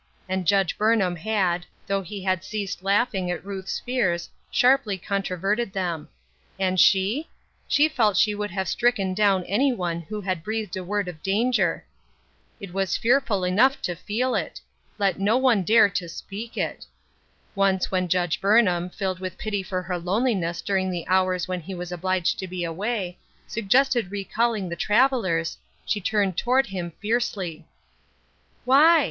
And Judge Burnham had, though he had ceased laughing at Ruth fears, sharply controverted them. And she ?— she felt she would have stricken down any one who had breathed a word of danger. It was fearful enough to feel it ; let no one dare to speak it. Once when Judge Burnham — filled with pity for her loneliness during the hours when he was obliged to be away — suggested recalling the travellers, she turned toward him fiercely :" Why ?